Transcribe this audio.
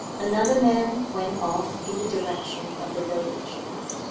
Another man went off in the direction of the village.